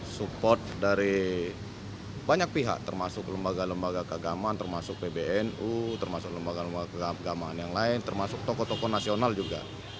support dari banyak pihak termasuk lembaga lembaga keagamaan termasuk pbnu termasuk lembaga lembaga keagamaan yang lain termasuk tokoh tokoh nasional juga